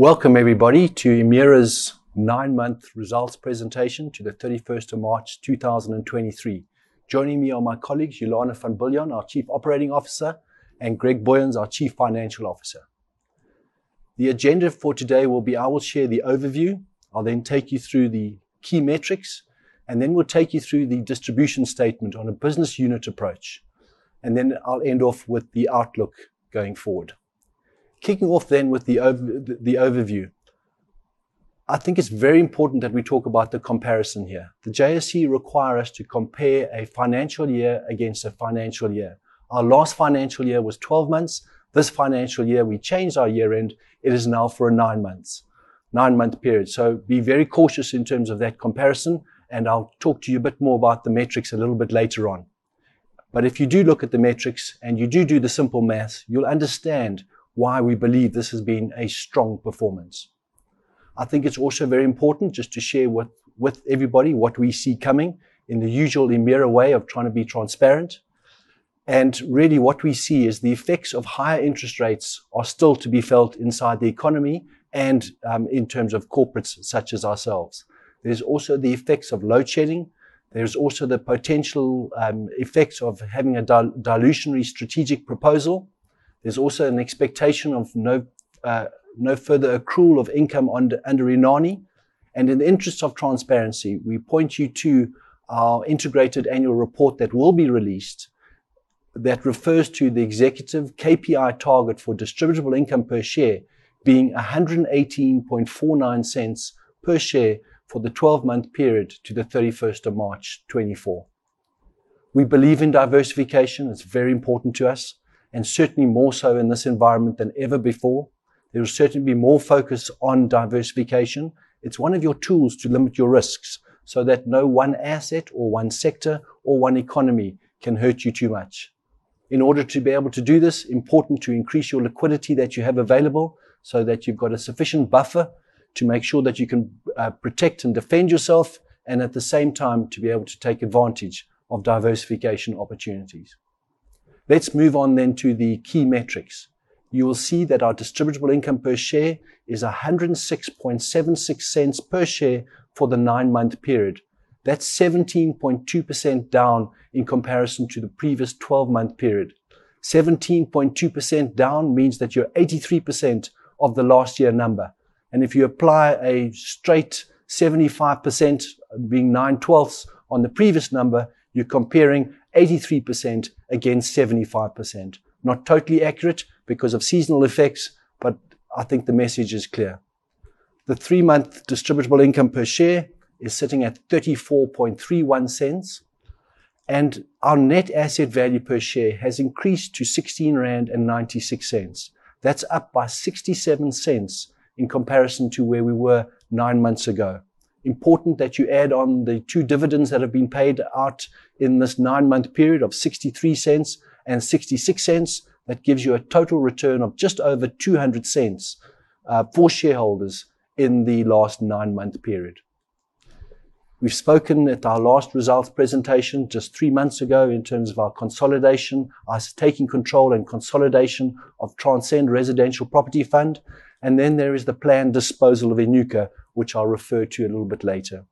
Welcome everybody to Emira's nine-month results presentation to the 31st of March 2023. Joining me are my colleagues, Ulana van Biljon, our Chief Operating Officer, and Greg Booyens, our Chief Financial Officer. The agenda for today will be, I will share the overview, I'll then take you through the key metrics, and then we'll take you through the distribution statement on a business unit approach. I'll end off with the outlook going forward. Kicking off with the overview. I think it's very important that we talk about the comparison here. The JSE require us to compare a financial year against a financial year. Our last financial year was 12 months. This financial year we changed our year end, it is now for a nine months, nine-month period. Be very cautious in terms of that comparison, and I'll talk to you a bit more about the metrics a little bit later on. If you do look at the metrics and you do the simple math, you'll understand why we believe this has been a strong performance. I think it's also very important just to share with everybody what we see coming in the usual Emira way of trying to be transparent. Really what we see is the effects of higher interest rates are still to be felt inside the economy and in terms of corporates such as ourselves. There's also the effects of load shedding. There's also the potential effects of having a dilutionary strategic proposal. There's also an expectation of no further accrual of income under Inani. In the interest of transparency, we point you to our integrated annual report that will be released that refers to the executive KPI target for distributable income per share being 1.1849 per share for the 12-month period to the 31st of March 2024. We believe in diversification, it's very important to us, and certainly more so in this environment than ever before. There will certainly be more focus on diversification. It's one of your tools to limit your risks so that no one asset or one sector or one economy can hurt you too much. In order to be able to do this, important to increase your liquidity that you have available so that you've got a sufficient buffer to make sure that you can protect and defend yourself, and at the same time to be able to take advantage of diversification opportunities. Let's move on then to the key metrics. You will see that our distributable income per share is 1.0676 per share for the nine-month period. That's 17.2% down in comparison to the previous twelve-month period. 17.2% down means that you're 83% of the last year number. If you apply a straight 75%, being nine twelfths, on the previous number, you're comparing 83% against 75%. Not totally accurate because of seasonal effects, but I think the message is clear. The three-month distributable income per share is sitting at 0.3431, and our net asset value per share has increased to 16.96 rand. That's up by 0.67 in comparison to where we were nine months ago. Important that you add on the two dividends that have been paid out in this nine-month period of 0.63 and 0.66. That gives you a total return of just over 2, for shareholders in the last nine-month period. We've spoken at our last results presentation just three months ago in terms of our consolidation, us taking control and consolidation of Transcend Residential Property Fund, and then there is the planned disposal of Enyuka, which I'll refer to a little bit later.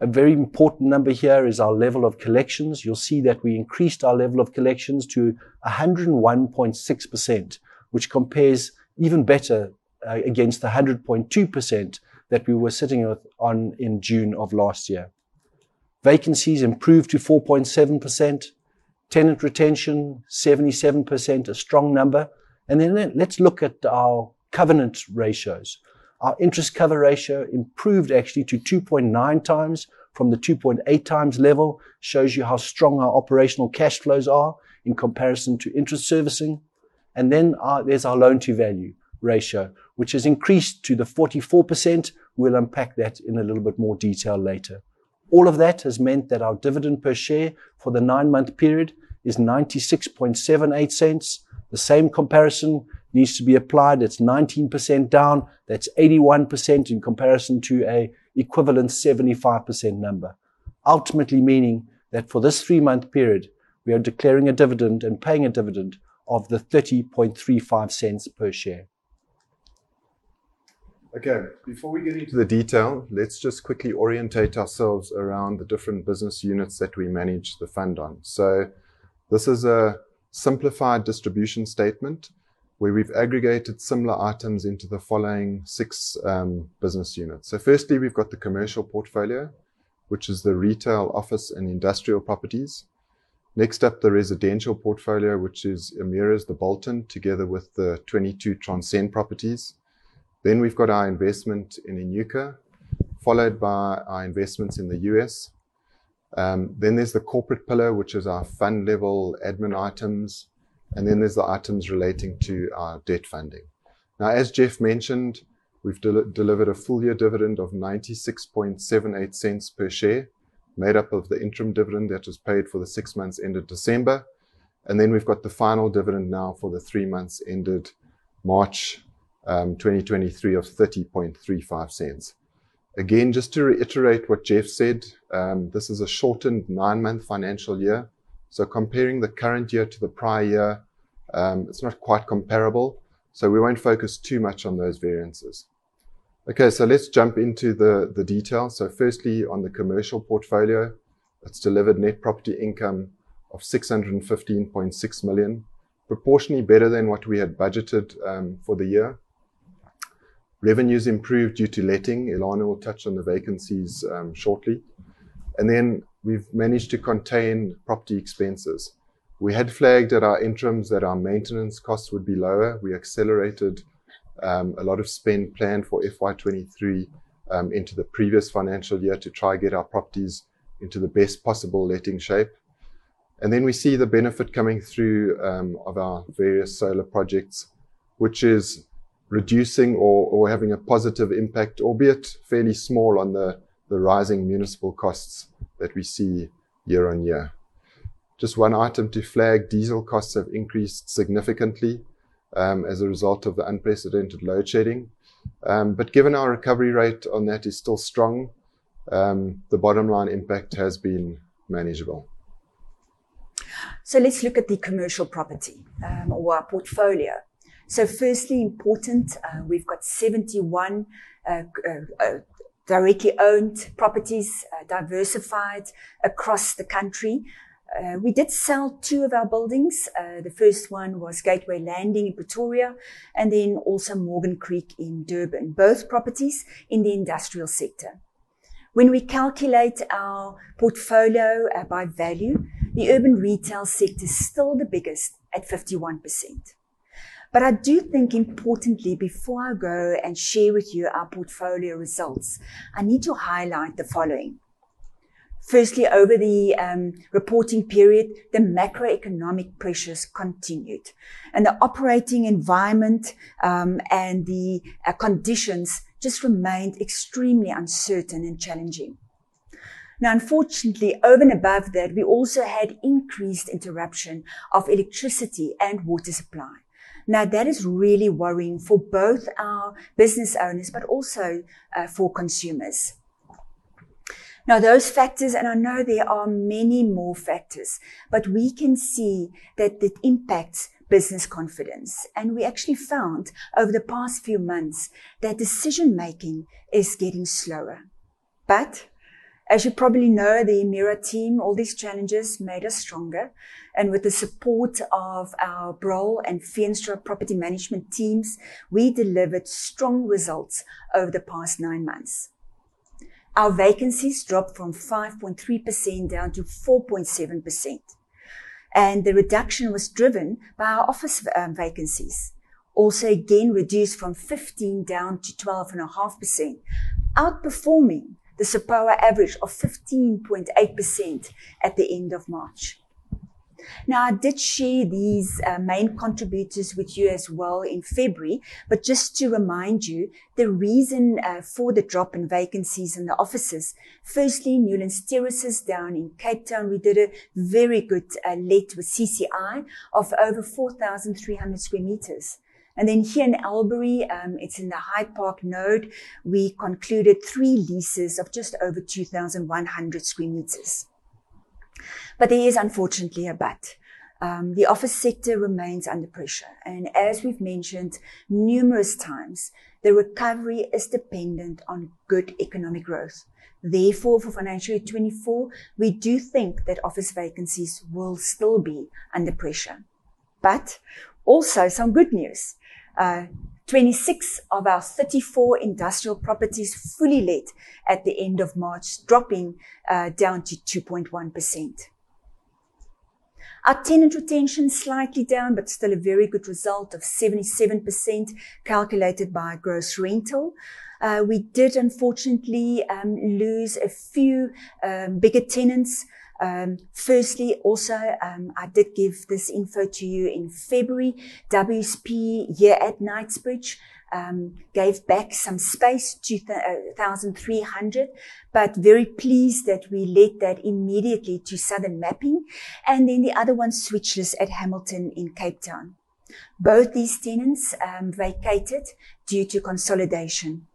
A very important number here is our level of collections. You'll see that we increased our level of collections to 101.6%, which compares even better against the 100.2% that we were sitting with in June of last year. Vacancies improved to 4.7%. Tenant retention, 77%, a strong number. Let's look at our covenant ratios. Our interest cover ratio improved actually to 2.9x from the 2.8x level, shows you how strong our operational cash flows are in comparison to interest servicing. There's our loan-to-value ratio, which has increased to the 44%. We'll unpack that in a little bit more detail later. All of that has meant that our dividend per share for the nine-month period is 0.9678. The same comparison needs to be applied. It's 19% down. That's 81% in comparison to an equivalent 75% number. Ultimately, meaning that for this three-month period, we are declaring a dividend and paying a dividend of 0.3035 per share. Okay, before we get into the detail, let's just quickly orient ourselves around the different business units that we manage the fund on. This is a simplified distribution statement where we've aggregated similar items into the following six business units. Firstly, we've got the commercial portfolio, which is the retail, office, and industrial properties. Next up, the residential portfolio, which is Emira's The Bolton, together with the 22 Transcend properties. We've got our investment in Enyuka, followed by our investments in the U.S. There's the corporate pillar, which is our fund-level admin items. There's the items relating to our debt funding. Now, as Geoff mentioned, we've delivered a full year dividend of 0.9678 per share, made up of the interim dividend that was paid for the six months ended December. We've got the final dividend now for the three months ended March 2023 of 0.3035. Again, just to reiterate what Geoff said, this is a shortened nine-month financial year, so comparing the current year to the prior year, it's not quite comparable, so we won't focus too much on those variances. Okay. Let's jump into the details. Firstly, on the commercial portfolio, it's delivered net property income of 615.6 million, proportionally better than what we had budgeted for the year. Revenues improved due to letting. Ulana will touch on the vacancies shortly. We've managed to contain property expenses. We had flagged at our interims that our maintenance costs would be lower. We accelerated a lot of spend planned for FY 2023 into the previous financial year to try get our properties into the best possible letting shape. We see the benefit coming through of our various solar projects, which is reducing or having a positive impact, albeit fairly small, on the rising municipal costs that we see year-on-year. Just one item to flag, diesel costs have increased significantly as a result of the unprecedented load shedding. Given our recovery rate on that is still strong, the bottom line impact has been manageable. Let's look at the commercial property or our portfolio. Firstly, importantly, we've got 71 directly owned properties diversified across the country. We did sell two of our buildings. The first one was Gallagher Landing in Pretoria and then also Morgan Creek in Durban, both properties in the industrial sector. When we calculate our portfolio by value, the urban retail sector is still the biggest at 51%. I do think importantly, before I go and share with you our portfolio results, I need to highlight the following. Firstly, over the reporting period, the macroeconomic pressures continued and the operating environment and the conditions just remained extremely uncertain and challenging. Now, unfortunately, over and above that, we also had increased interruption of electricity and water supply. Now, that is really worrying for both our business owners but also for consumers. Now, those factors, and I know there are many more factors, but we can see that it impacts business confidence, and we actually found over the past few months that decision-making is getting slower. As you probably know, the Emira team, all these challenges made us stronger, and with the support of our Broll and Feenstra Property Management teams, we delivered strong results over the past nine months. Our vacancies dropped from 5.3% down to 4.7%, and the reduction was driven by our office vacancies. Also, again, reduced from 15% down to 12.5%, outperforming the SAPOA average of 15.8% at the end of March. Now, I did share these main contributors with you as well in February, but just to remind you, the reason for the drop in vacancies in the offices, firstly, Newlands Terraces down in Cape Town, we did a very good let with CCI of over 4,300 sq m. And then here in Illovo, it's in the Hyde Park node, we concluded three leases of just over 2,100 sq m. There is unfortunately a but. The office sector remains under pressure, and as we've mentioned numerous times, the recovery is dependent on good economic growth. Therefore, for FY 2024, we do think that office vacancies will still be under pressure. Also some good news. 26 of our 34 industrial properties fully let at the end of March, dropping down to 2.1%. Our tenant retention slightly down, but still a very good result of 77% calculated by gross rental. We did unfortunately lose a few bigger tenants. Firstly, I did give this info to you in February. WSP here at Knightsbridge gave back some space, 2,300, but very pleased that we let that immediately to Southern Mapping Company. Then the other one, Switches at Hamilton in Cape Town. Both these tenants vacated due to consolidation.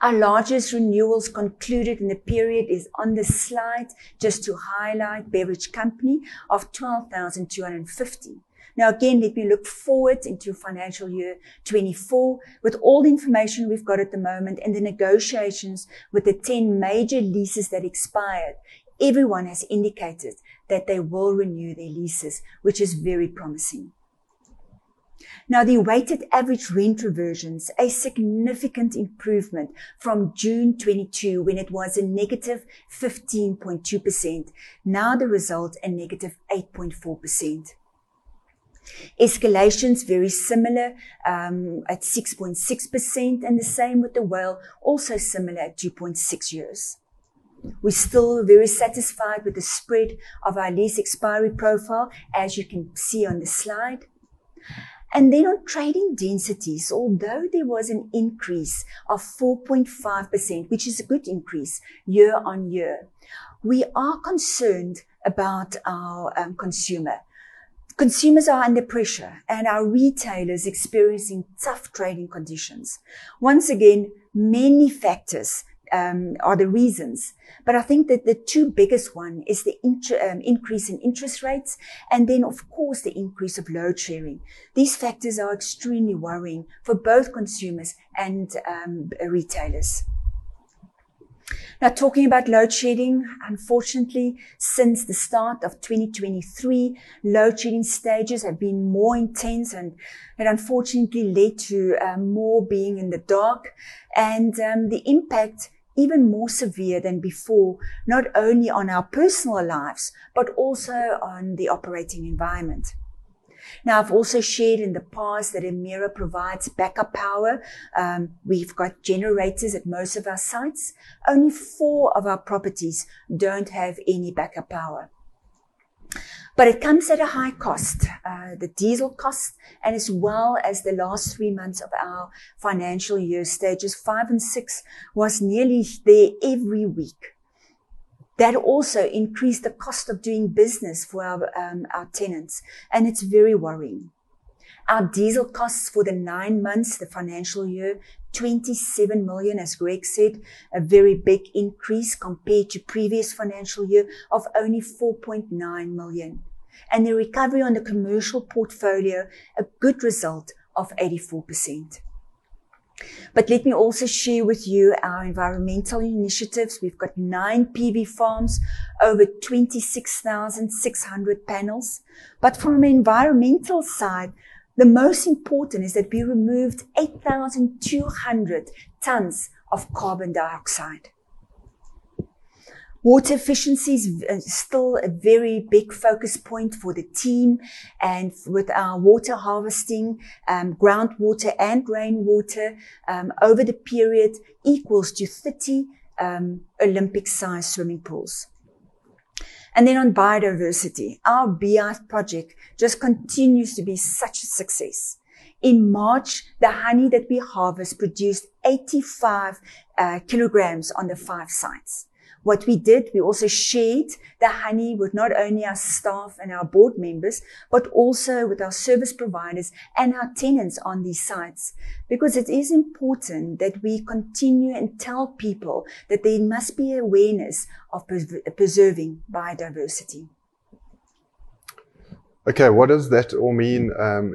Our largest renewals concluded in the period is on the slide, just to highlight The Beverage Company of 12,250. Now, again, let me look forward into financial year 2024. With all the information we've got at the moment and the negotiations with the 10 major leases that expired, everyone has indicated that they will renew their leases, which is very promising. Now, the weighted average rent reversions, a significant improvement from June 2022 when it was a -15.2%. Now the result a -8.4%. Escalation's very similar at 6.6%, and the same with the WALE, also similar at 2.6 years. We're still very satisfied with the spread of our lease expiry profile, as you can see on the slide. On trading densities, although there was an increase of 4.5%, which is a good increase, year-on-year, we are concerned about our consumer. Consumers are under pressure, and our retail is experiencing tough trading conditions. Once again, many factors are the reasons, but I think that the two biggest one is the increase in interest rates and then, of course, the increase of load shedding. These factors are extremely worrying for both consumers and retailers. Now talking about load shedding, unfortunately, since the start of 2023, load shedding stages have been more intense and have unfortunately led to more being in the dark, and the impact even more severe than before, not only on our personal lives but also on the operating environment. Now, I've also shared in the past that Emira provides backup power. We've got generators at most of our sites. Only four of our properties don't have any backup power. But it comes at a high cost. The diesel cost and as well as the last three months of our financial year, stages five and six, was nearly there every week. That also increased the cost of doing business for our our tenants, and it's very worrying. Our diesel costs for the nine months, the financial year, 27 million, as Greg said, a very big increase compared to previous financial year of only 4.9 million. The recovery on the commercial portfolio a good result of 84%. Let me also share with you our environmental initiatives. We've got 9 PV farms over 26,600 panels. From an environmental side, the most important is that we removed 8,200 tons of carbon dioxide. Water efficiency is still a very big focus point for the team, and with our water harvesting, groundwater and rainwater, over the period equals to 30 Olympic-sized swimming pools. Then on biodiversity, our beehive project just continues to be such a success. In March, the honey that we harvest produced 85 kilograms on the five sites. What we did, we also shared the honey with not only our staff and our board members, but also with our service providers and our tenants on these sites, because it is important that we continue and tell people that there must be awareness of preserving biodiversity. Okay. What does that all mean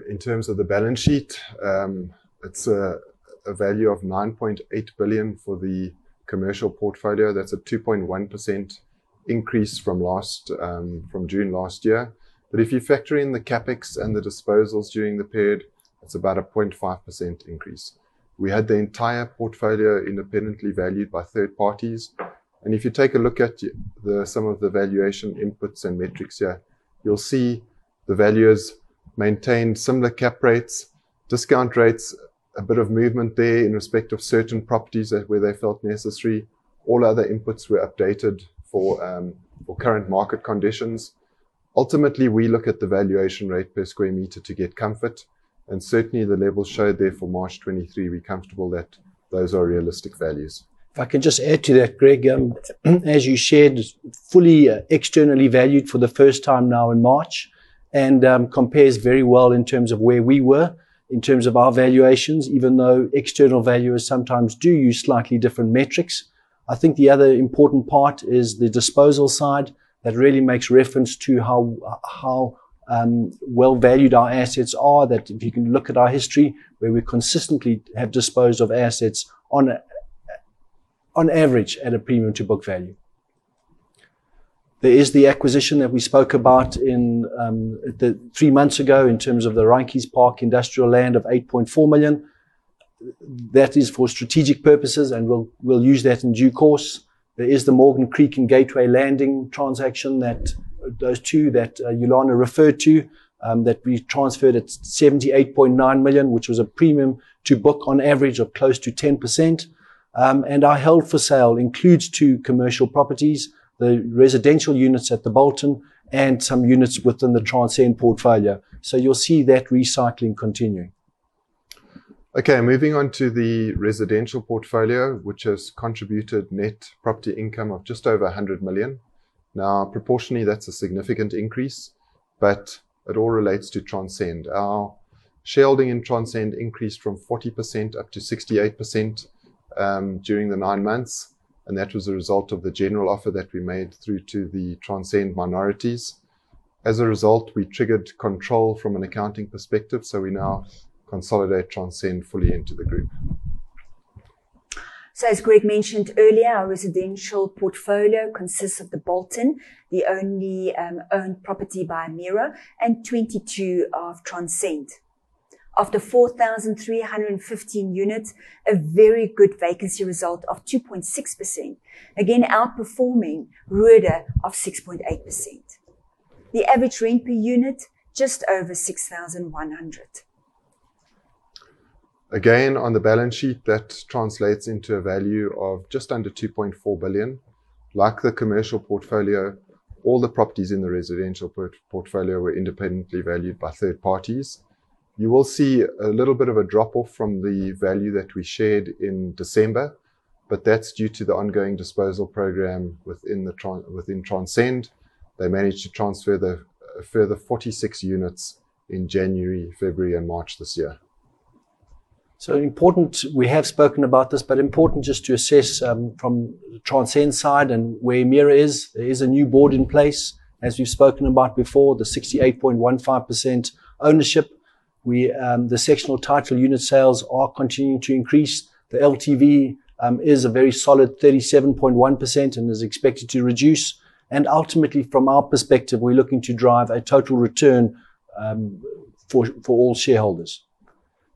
in terms of the balance sheet? It's a value of 9.8 billion for the commercial portfolio. That's a 2.1% increase from June last year. If you factor in the CapEx and the disposals during the period, it's about a 0.5% increase. We had the entire portfolio independently valued by third parties, and if you take a look at the sum of the valuation inputs and metrics here, you'll see the valuers maintained similar cap rates, discount rates, a bit of movement there in respect of certain properties where they felt necessary. All other inputs were updated for current market conditions. Ultimately, we look at the valuation rate per square meter to get comfort, and certainly the levels show there for March 2023, we're comfortable that those are realistic values. If I can just add to that, Greg, as you shared, fully externally valued for the first time now in March and compares very well in terms of where we were in terms of our valuations, even though external valuers sometimes do use slightly different metrics. I think the other important part is the disposal side that really makes reference to how well valued our assets ar, that if you can look at our history where we consistently have disposed of assets on average at a premium to book value. There is the acquisition that we spoke about three months ago in terms of the Rietfontein Park industrial land of 8.4 million. That is for strategic purposes, and we'll use that in due course. There is the Morgan Creek and Gallagher Landing transaction, those two that Ulana referred to, that we transferred at 78.9 million, which was a premium to book on average of close to 10%. Our held for sale includes two commercial properties, the residential units at the Bolton and some units within the Transcend portfolio. You'll see that recycling continuing. Okay, moving on to the residential portfolio, which has contributed net property income of just over 100 million. Now, proportionally, that's a significant increase, but it all relates to Transcend. Our sharing in Transcend increased from 40% up to 68% during the nine months, and that was a result of the general offer that we made through to the Transcend minorities. As a result, we triggered control from an accounting perspective, so we now consolidate Transcend fully into the group. As Greg mentioned earlier, our residential portfolio consists of The Bolton, the only owned property by Emira, and 22 of Transcend. Of the 4,315 units, a very good vacancy result of 2.6%, again, outperforming TPN of 6.8%. The average rent per unit, just over 6,100. Again, on the balance sheet, that translates into a value of just under 2.4 billion. Like the commercial portfolio, all the properties in the residential portfolio were independently valued by third parties. You will see a little bit of a drop off from the value that we shared in December, but that's due to the ongoing disposal program within Transcend. They managed to transfer the further 46 units in January, February, and March this year. Important, we have spoken about this, but important just to assess, from Transcend's side and where Emira is. There is a new board in place. As we've spoken about before, the 68.15% ownership. The sectional title unit sales are continuing to increase. The LTV is a very solid 37.1% and is expected to reduce. Ultimately, from our perspective, we're looking to drive a total return for all shareholders.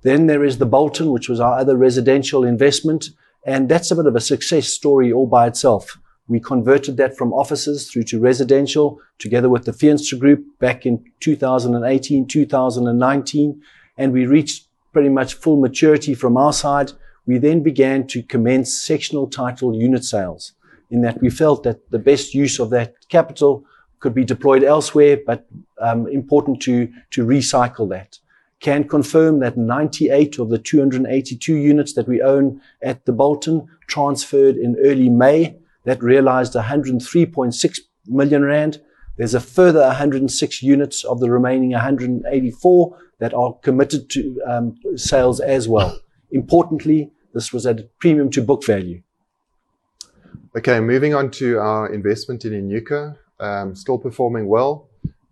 There is the Bolton, which was our other residential investment, and that's a bit of a success story all by itself. We converted that from offices through to residential together with the Feenstra Group back in 2018-2019, and we reached pretty much full maturity from our side. We began to commence sectional title unit sales in that we felt that the best use of that capital could be deployed elsewhere, but important to recycle that. Can confirm that 98 of the 282 units that we own at the Bolton transferred in early May. That realized 103.6 million rand. There's a further 106 units of the remaining 184 that are committed to sales as well. Importantly, this was at a premium to book value. Okay, moving on to our investment in Enyuka. Still performing well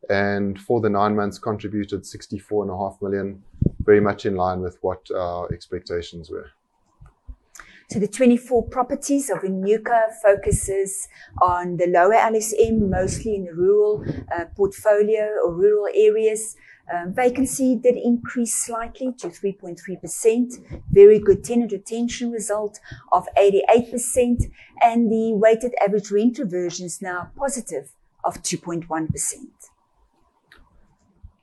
and for the nine months contributed 64.5 million, very much in line with what our expectations were. The 24 properties of Enyuka focus on the lower LSM, mostly in the rural portfolio or rural areas. Vacancy did increase slightly to 3.3%. Very good tenant retention result of 88%, and the weighted average rental reversion is now positive of 2.1%.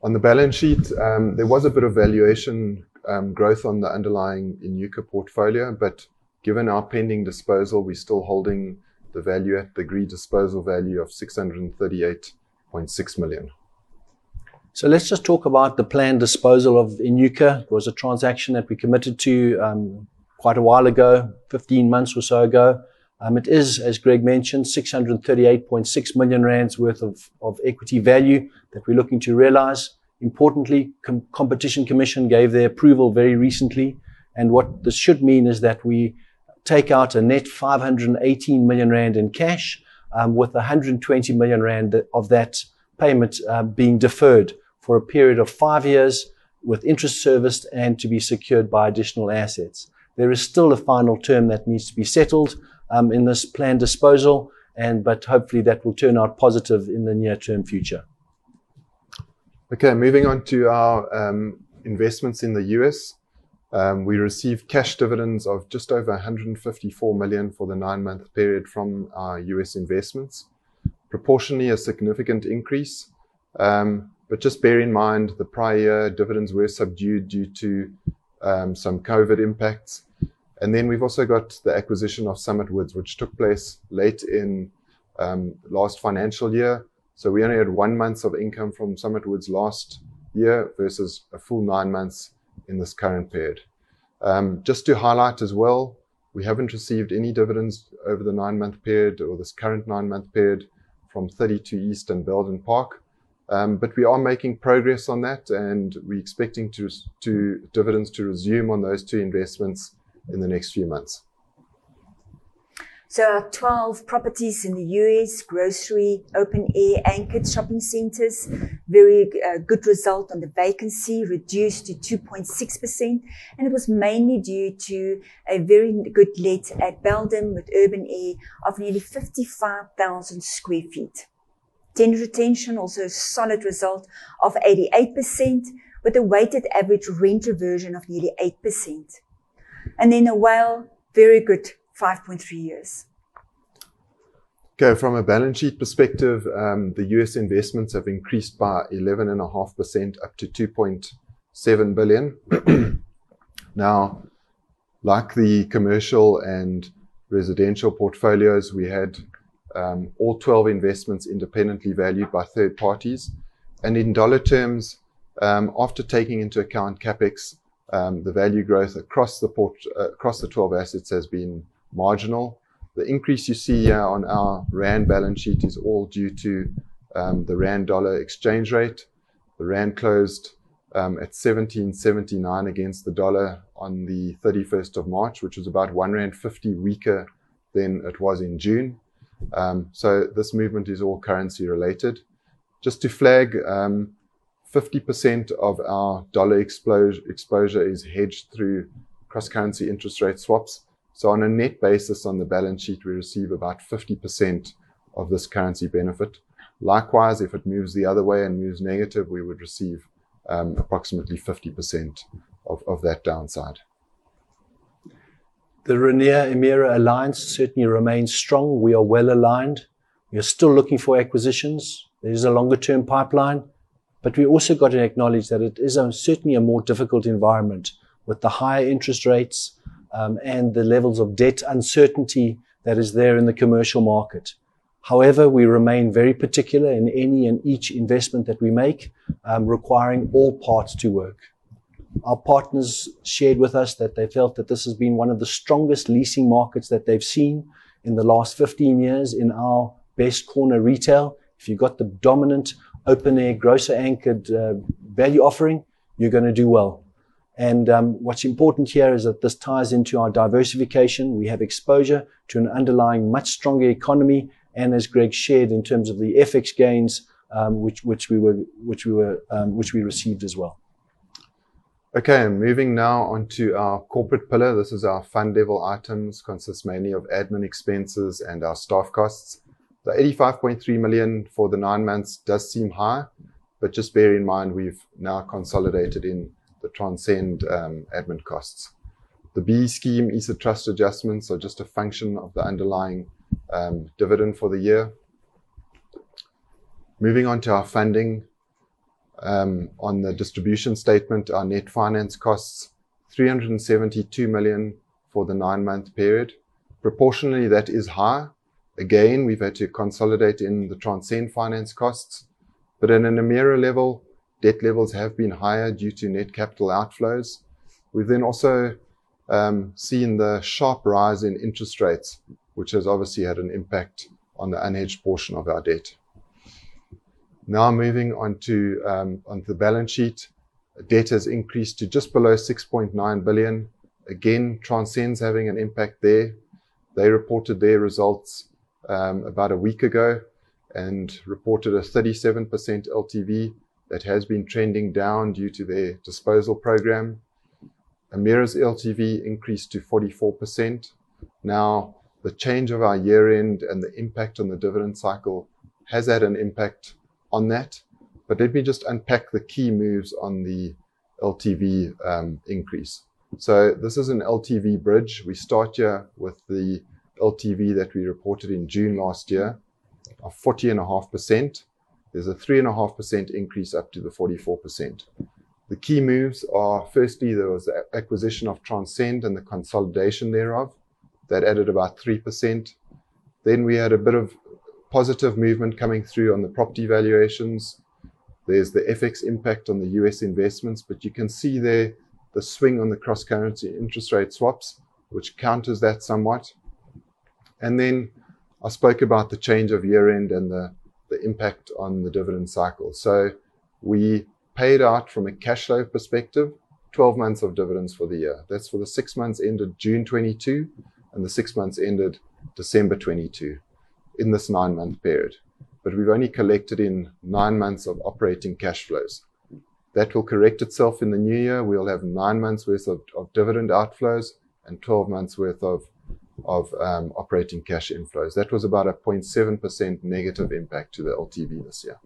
On the balance sheet, there was a bit of valuation growth on the underlying Enyuka portfolio, but given our pending disposal, we're still holding the value at the agreed disposal value of 638.6 million. Let's just talk about the planned disposal of Enyuka. It was a transaction that we committed to quite a while ago, 15 months or so ago. It is, as Greg mentioned, 638.6 million rand worth of equity value that we're looking to realize. Importantly, Competition Commission gave their approval very recently, and what this should mean is that we take out a net 518 million rand in cash, with 120 million rand of that payment being deferred for a period of five years with interest serviced and to be secured by additional assets. There is still a final term that needs to be settled in this planned disposal, but hopefully, that will turn out positive in the near-term future. Okay, moving on to our investments in the U.S. We received cash dividends of just over $154 million for the nine-month period from our U.S. investments. Proportionally, a significant increase, but just bear in mind, the prior year dividends were subdued due to some COVID impacts. We've also got the acquisition of Summit Woods, which took place late in last financial year. We only had one month of income from Summit Woods last year versus a full nine months in this current period. Just to highlight as well, we haven't received any dividends over the nine-month period or this current nine-month period from 32 East and Belden Park. But we are making progress on that, and we're expecting dividends to resume on those two investments in the next few months. Our 12 properties in the U.S., grocery, open-air, anchored shopping centers, very good result on the vacancy, reduced to 2.6%, and it was mainly due to a very good let at Belden with Urban Air of nearly 55,000 sq ft. Tenant retention, also a solid result of 88% with a weighted average rental reversion of nearly 8%. WALE, very good, 5.3 years. Okay. From a balance sheet perspective, the U.S. investments have increased by 11.5% up to $2.7 billion. Now, like the commercial and residential portfolios, we had all 12 investments independently valued by third parties. In dollar terms, after taking into account CapEx, the value growth across the 12 assets has been marginal. The increase you see here on our rand balance sheet is all due to the rand/dollar exchange rate. The rand closed at 17.79 against the dollar on March 31, which was about 1.50 rand weaker than it was in June. So this movement is all currency related. Just to flag, 50% of our dollar exposure is hedged through cross-currency interest rate swaps. On a net basis on the balance sheet, we receive about 50% of this currency benefit. Likewise, if it moves the other way and moves negative, we would receive approximately 50% of that downside. The Rainier-Emira Alliance certainly remains strong. We are well aligned. We are still looking for acquisitions. There is a longer-term pipeline, but we also got to acknowledge that it is certainly a more difficult environment with the higher interest rates and the levels of debt uncertainty that is there in the commercial market. However, we remain very particular in any and each investment that we make, requiring all parts to work. Our partners shared with us that they felt that this has been one of the strongest leasing markets that they've seen in the last 15 years in our best corner retail. If you've got the dominant open air grocer anchored value offering, you're gonna do well. What's important here is that this ties into our diversification. We have exposure to an underlying much stronger economy, and as Greg shared in terms of the FX gains, which we received as well. Okay. Moving now on to our corporate pillar. This is our fund level items, consists mainly of admin expenses and our staff costs. The 85.3 million for the nine months does seem high, but just bear in mind, we've now consolidated in the Transcend admin costs. The B-BBEE scheme is a trust adjustment, so just a function of the underlying dividend for the year. Moving on to our funding. On the distribution statement, our net finance costs, 372 million for the nine-month period. Proportionally, that is high. Again, we've had to consolidate in the Transcend finance costs. But in an Emira level, debt levels have been higher due to net capital outflows. We've then also seen the sharp rise in interest rates, which has obviously had an impact on the unhedged portion of our debt. Now, moving on to the balance sheet. Debt has increased to just below 6.9 billion. Again, Transcend's having an impact there. They reported their results about a week ago and reported a 37% LTV that has been trending down due to their disposal program. Emira's LTV increased to 44%. The change of our year-end and the impact on the dividend cycle has had an impact on that. Let me just unpack the key moves on the LTV increase. This is an LTV bridge. We start here with the LTV that we reported in June last year of 40.5%. There's a 3.5% increase up to the 44%. The key moves are, firstly, there was acquisition of Transcend and the consolidation thereof. That added about 3%. We had a bit of positive movement coming through on the property valuations. There's the FX impact on the U.S. investments, but you can see there the swing on the cross-currency interest rate swaps, which counters that somewhat. I spoke about the change of year-end and the impact on the dividend cycle. We paid out from a cash flow perspective, 12 months of dividends for the year. That's for the six months ended June 2022 and the six months ended December 2022 in this nine-month period. We've only collected in nine months of operating cash flows. That will correct itself in the new year. We'll have nine months worth of dividend outflows and 12 months worth of operating cash inflows. That was about a 0.7% negative impact to the LTV this year.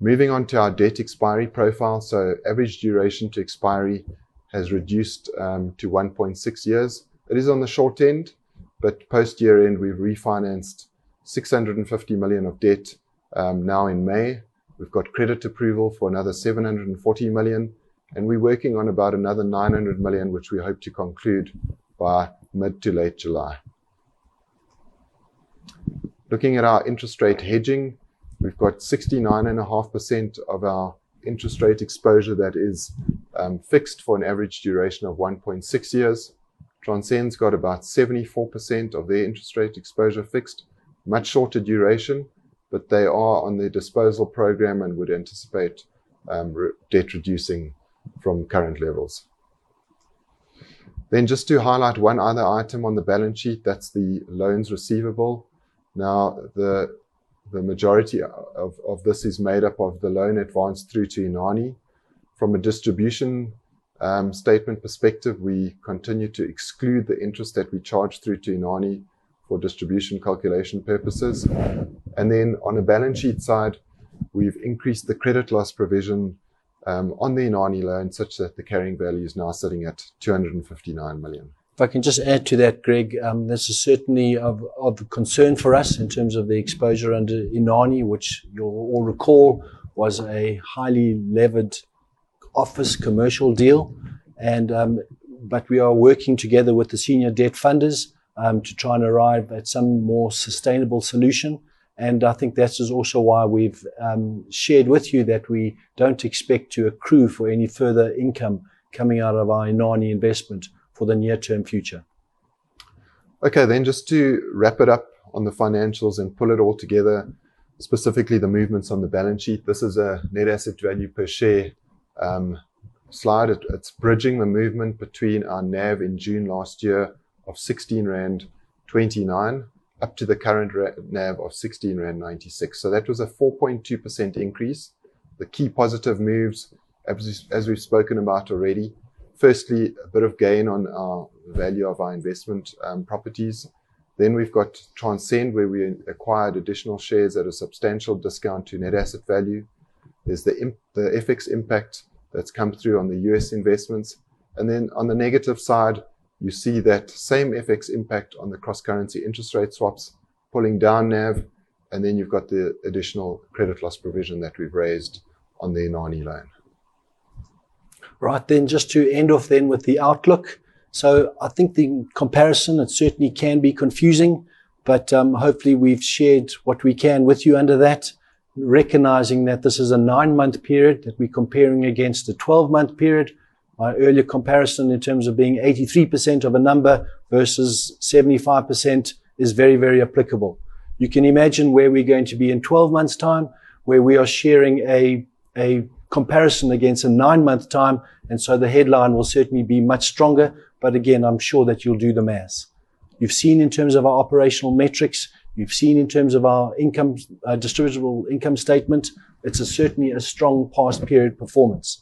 Moving on to our debt expiry profile. Average duration to expiry has reduced to 1.6 years. It is on the short end, but post year-end, we've refinanced 650 million of debt now in May. We've got credit approval for another 740 million, and we're working on about another 900 million, which we hope to conclude by mid to late July. Looking at our interest rate hedging, we've got 69.5% of our interest rate exposure that is fixed for an average duration of 1.6 years. Transcend's got about 74% of their interest rate exposure fixed, much shorter duration, but they are on their disposal program and would anticipate debt reducing from current levels. Just to highlight one other item on the balance sheet, that's the loans receivable. Now, the majority of this is made up of the loan advanced through to Inani. From a distribution statement perspective, we continue to exclude the interest that we charge through to Inani for distribution calculation purposes. On a balance sheet side, we've increased the credit loss provision on the Inani loan such that the carrying value is now sitting at 259 million. If I can just add to that, Greg, this is certainly of concern for us in terms of the exposure under Inani, which you'll all recall was a highly levered office commercial deal. We are working together with the senior debt funders to try and arrive at some more sustainable solution. I think that is also why we've shared with you that we don't expect to accrue for any further income coming out of our Inani investment for the near-term future. Okay then, just to wrap it up on the financials and pull it all together, specifically the movements on the balance sheet. This is a net asset value per share slide. It's bridging the movement between our NAV in June last year of 16.29 rand up to the current NAV of 16.96 rand. That was a 4.2% increase. The key positive moves, as we've spoken about already, firstly, a bit of gain on the value of our investment properties. Then we've got Transcend, where we acquired additional shares at a substantial discount to net asset value. There's the FX impact that's come through on the U.S. investments. On the negative side, you see that same FX impact on the cross-currency interest rate swaps pulling down NAV, and then you've got the additional credit loss provision that we've raised on the Inani loan. Right. Just to end off with the outlook. I think the comparison, it certainly can be confusing, but hopefully we've shared what we can with you under that, recognizing that this is a nine-month period that we're comparing against a 12-month period. Our earlier comparison in terms of being 83% of a number versus 75% is very, very applicable. You can imagine where we're going to be in 12 months' time, where we are sharing a comparison against a nine-month time, and so the headline will certainly be much stronger. Again, I'm sure that you'll do the maths. You've seen in terms of our operational metrics, you've seen in terms of our income, distributable income statement. It's certainly a strong past period performance.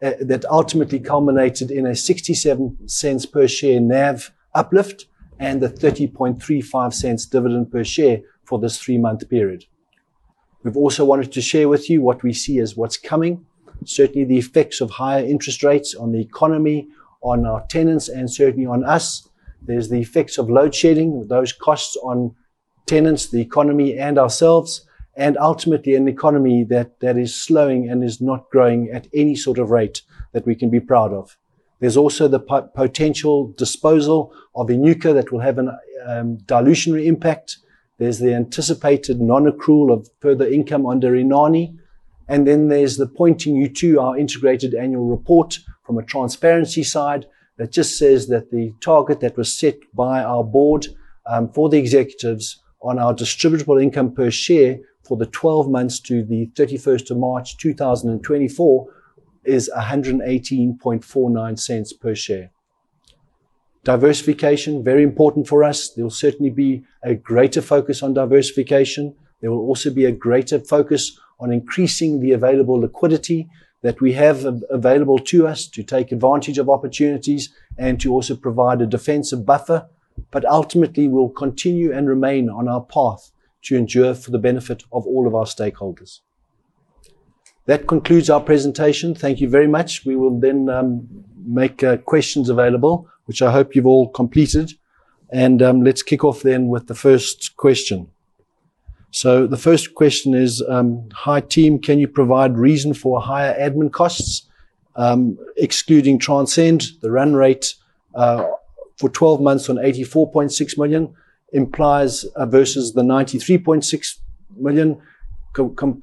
That ultimately culminated in a 0.67 per share NAV uplift and a 0.3035 dividend per share for this three-month period. We've also wanted to share with you what we see as what's coming. Certainly, the effects of higher interest rates on the economy, on our tenants, and certainly on us. There's the effects of load shedding, those costs on tenants, the economy, and ourselves, and ultimately an economy that is slowing and is not growing at any sort of rate that we can be proud of. There's also the potential disposal of Enyuka that will have a dilutionary impact. There's the anticipated non-accrual of further income under Inani. There's the pointing you to our integrated annual report from a transparency side that just says that the target that was set by our board for the executives on our distributable income per share for the 12 months to the 31st of March 2024 is 118.49 cents per share. Diversification, very important for us. There will certainly be a greater focus on diversification. There will also be a greater focus on increasing the available liquidity that we have available to us to take advantage of opportunities and to also provide a defensive buffer. But ultimately, we'll continue and remain on our path to endure for the benefit of all of our stakeholders. That concludes our presentation. Thank you very much. We will then make questions available, which I hope you've all completed. Let's kick off then with the first question. The first question is: "Hi, team. Can you provide reason for higher admin costs, excluding Transcend? The run rate for twelve months on 84.6 million implies versus the 93.6 million com-com."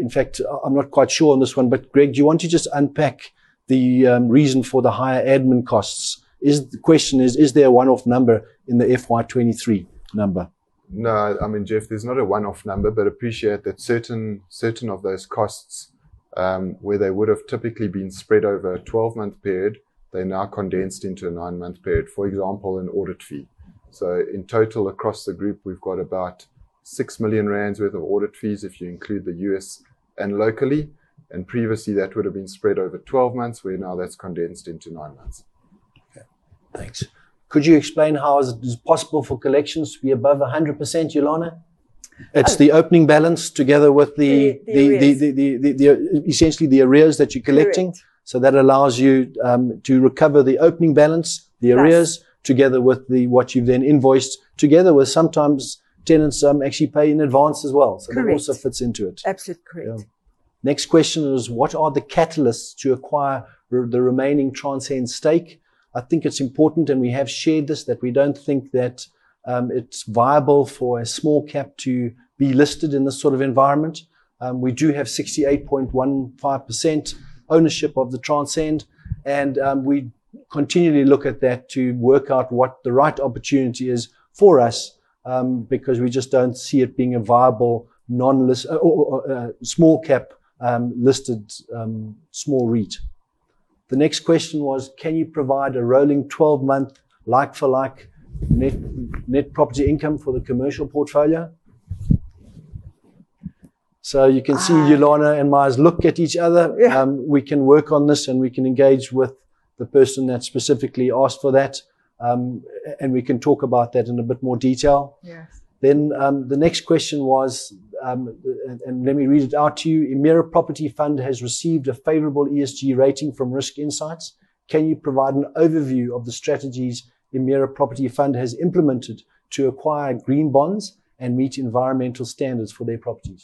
In fact, I'm not quite sure on this one, but Greg, do you want to just unpack the reason for the higher admin costs? The question is there a one-off number in the FY 2023 number? No. I mean, Geoff, there's not a one-off number, but appreciate that certain of those costs, where they would have typically been spread over a 12-month period, they're now condensed into a nine-month period, for example, an audit fee. In total, across the group, we've got about 6 million rand worth of audit fees if you include the U.S. and locally. Previously, that would have been spread over 12 months, where now that's condensed into nine months. Okay, thanks. Could you explain how is it possible for collections to be above 100%, Ulana? Oh. It's the opening balance together with the. The arrears. essentially the arrears that you're collecting. Correct. that allows you to recover the opening balance, the arrears. Right... together with the what you've then invoiced, together with sometimes tenants actually pay in advance as well. Correct. That also fits into it. Absolutely correct. Yeah. Next question is, what are the catalysts to acquire the remaining Transcend stake? I think it's important, and we have shared this, that we don't think that it's viable for a small cap to be listed in this sort of environment. We do have 68.15% ownership of the Transcend, and we continually look at that to work out what the right opportunity is for us, because we just don't see it being a viable non-listed or a small cap listed small REIT. The next question was, can you provide a rolling 12-month like for like net property income for the commercial portfolio? So you can see. Uh Ulana and myself look at each other. Yeah. We can work on this, and we can engage with the person that specifically asked for that. We can talk about that in a bit more detail. Yes. The next question was, and let me read it out to you. "Emira Property Fund has received a favorable ESG rating from Risk Insights. Can you provide an overview of the strategies Emira Property Fund has implemented to acquire green bonds and meet environmental standards for their properties?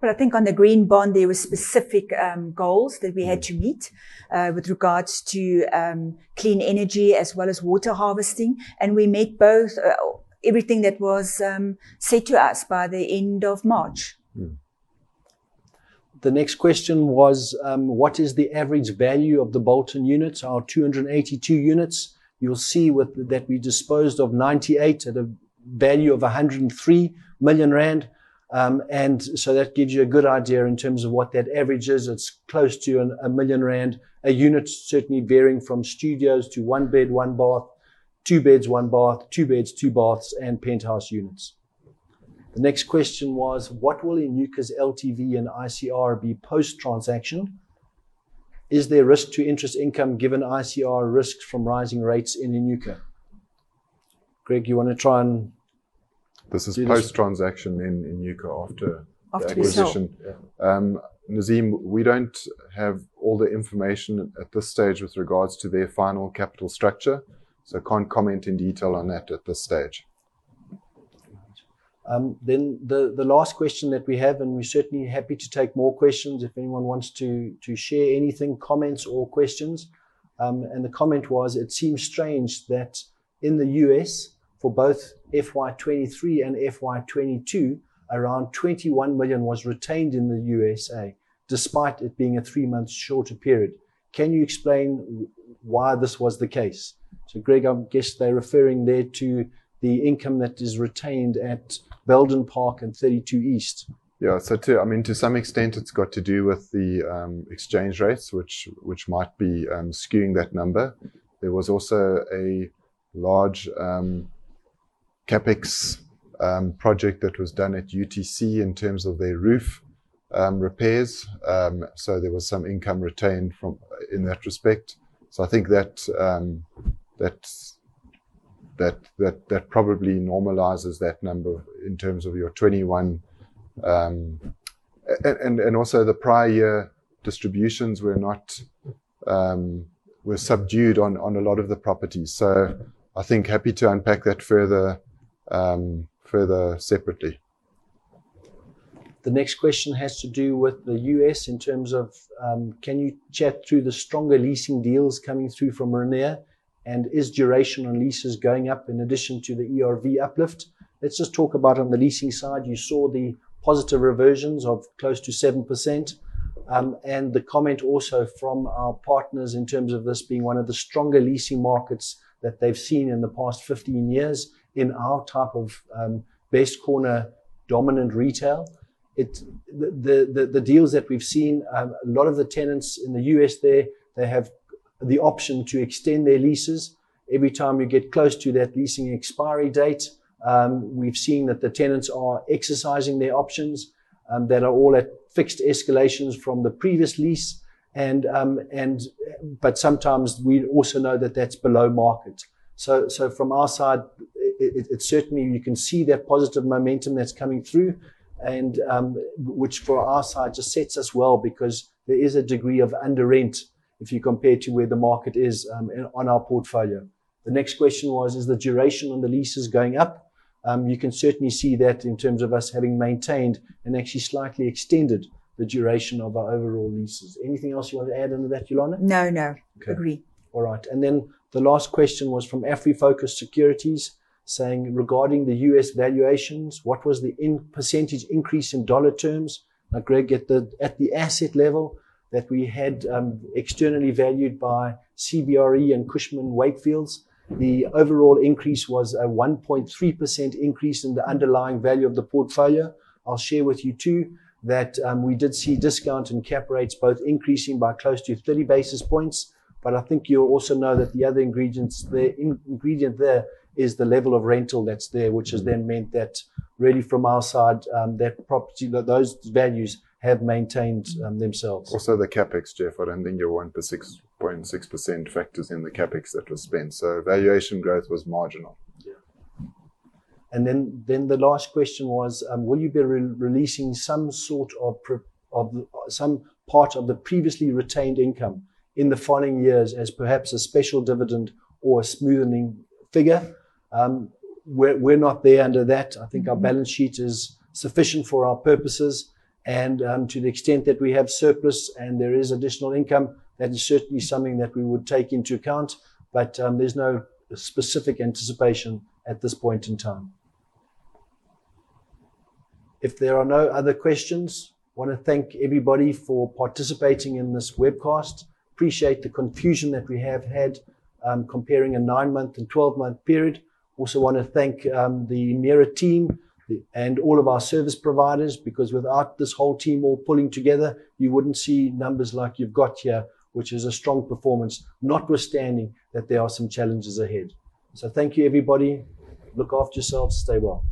Well, I think on the green bond, there were specific goals that we had to meet with regards to clean energy as well as water harvesting, and we made both everything that was said to us by the end of March. The next question was: "What is the average value of the Bolton units?" Our 282 units, you'll see that we disposed of 98 at a value of 103 million rand. That gives you a good idea in terms of what that average is. It's close to a million rand a unit certainly varying from studios to one bed, one bath, two beds, one bath, two beds, two baths, and penthouse units. The next question was: "What will Enyuka's LTV and ICR be post-transaction? Is there risk to interest income given ICR risks from rising rates in Enyuka?" Greg, you wanna try and This is post-transaction in the U.K. after After we sell the acquisition. Yeah. Nazeem, we don't have all the information at this stage with regards to their final capital structure, so can't comment in detail on that at this stage. The last question that we have, and we're certainly happy to take more questions if anyone wants to share anything, comments or questions. The comment was, "It seems strange that in the U.S. for both FY 2023 and FY 2022, around $21 million was retained in the USA, despite it being a three months shorter period. Can you explain why this was the case?" So, Greg, I guess they're referring there to the income that is retained at Belden Park and 32 East. Yeah. I mean, to some extent it's got to do with the exchange rates, which might be skewing that number. There was also a large CapEx project that was done at UTC in terms of their roof repairs. There was some income retained from in that respect. I think that probably normalizes that number in terms of your 21. And also the prior year distributions were subdued on a lot of the properties. I think I'm happy to unpack that further separately. The next question has to do with the U.S. in terms of, can you chat through the stronger leasing deals coming through from Rainier, and is duration on leases going up in addition to the ERV uplift? Let's just talk about on the leasing side, you saw the positive reversions of close to 7%. The comment also from our partners in terms of this being one of the stronger leasing markets that they've seen in the past 15 years in our type of, grocery-anchored, dominant retail. The deals that we've seen, a lot of the tenants in the U.S. there, they have the option to extend their leases. Every time you get close to that leasing expiry date, we've seen that the tenants are exercising their options that are all at fixed escalations from the previous lease, and sometimes we also know that that's below market. From our side, it certainly you can see that positive momentum that's coming through, and which for our side just sets us well because there is a degree of under rent if you compare to where the market is on our portfolio. The next question was, "Is the duration on the leases going up?" You can certainly see that in terms of us having maintained and actually slightly extended the duration of our overall leases. Anything else you want to add under that, Ulana? No, no. Okay. Agree. All right. Then the last question was from Afrifocus Securities saying, "Regarding the U.S. valuations, what was the percentage increase in dollar terms?" Now, Greg, at the asset level that we had externally valued by CBRE and Cushman & Wakefield, the overall increase was a 1.3% increase in the underlying value of the portfolio. I'll share with you too that we did see discount and cap rates both increasing by close to 30 basis points. I think you'll also know that the other ingredient there is the level of rental that's there, which has then meant that really from our side, that property, those values have maintained themselves. The CapEx, Geoff. I don't think your 1.6% factors in the CapEx that was spent. Valuation growth was marginal. Then the last question was, "Will you be re-releasing some sort of some part of the previously retained income in the following years as perhaps a special dividend or a smoothing figure?" We're not there under that. I think our balance sheet is sufficient for our purposes. To the extent that we have surplus and there is additional income, that is certainly something that we would take into account. There's no specific anticipation at this point in time. If there are no other questions, I wanna thank everybody for participating in this webcast. I appreciate the confusion that we have had comparing a nine-month and twelve-month period. Also wanna thank the Emira team and all of our service providers, because without this whole team all pulling together, you wouldn't see numbers like you've got here, which is a strong performance, notwithstanding that there are some challenges ahead. Thank you, everybody. Look after yourselves. Stay well.